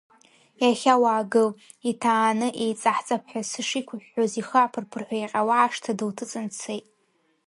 Иахьа уаагыл, иҭааны еиҵаҳҵап ҳәа сышиқәҳәҳәоз, ихы аԥырԥырҳәа иҟьауа, ашҭа дылҭыҵын дцеит.